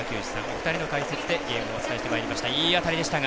お二人の解説でゲームをお伝えしてまいりました。